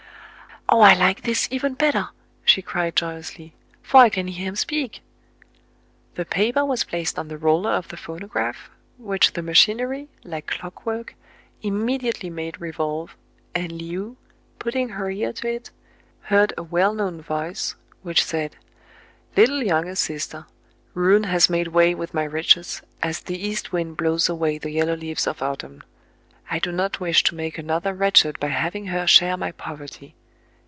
"Ah! I like this even better!" she cried joy ously; "for I can hear him speak." The paper was placed on the roller of the phon ograph, which the machinery, like clock work, im mediately made revolve, and Le ou, putting her ear to it, heard a well known voice, which said, — "Little younger sister, ruin has made way with my riches, as the east wind blows away the yellow leaves of au tumn. I do not wish to make another wretched by having her share my poverty.